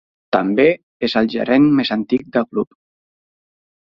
També és el gerent més antic de club.